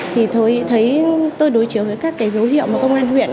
thì tôi thấy tôi đối chiếu với các cái dấu hiệu mà công an huyện